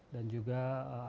dan juga akumulasi